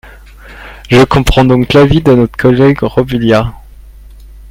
Je comprends donc l’avis de notre collègue Robiliard.